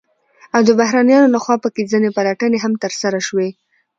او د بهرنيانو لخوا په كې ځنې پلټنې هم ترسره شوې،